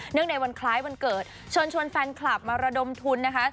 เนื่องในวันคล้ายวันเกิดชวนแฟนคลับมาระดมทุนนะคะ